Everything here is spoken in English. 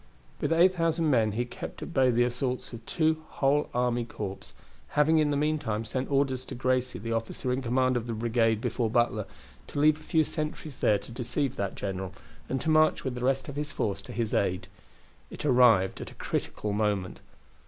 With 8,000 men he kept at bay the assaults of two whole army corps, having in the meantime sent orders to Gracie, the officer in command of the brigade before Butler, to leave a few sentries there to deceive that general, and to march with the rest of his force to his aid. It arrived at a critical moment.